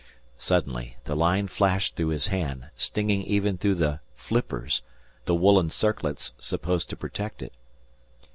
Suddenly the line flashed through his hand, stinging even through the "nippers," the woolen circlets supposed to protect it.